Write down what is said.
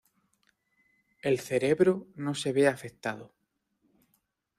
El cerebro no se ve afectado.